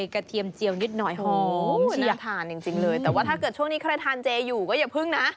เทียมเจียวนิดหน่อยหอมน่าทานจริงเลยแต่ว่าถ้าเกิดช่วงนี้ใครทานเจอยู่ก็อย่าพึ่งนะ